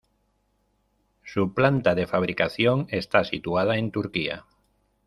Su planta de fabricación está situada en Turquía